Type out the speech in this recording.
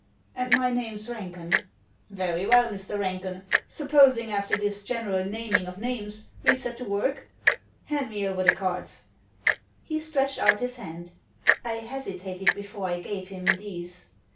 "And my name's Ranken." "Very well, Mr. Ranken, supposing after this general naming of names we set to work. Hand me over the cards." He stretched out his hand. I hesitated before I gave him these.